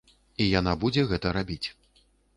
І яна будзе гэта рабіць.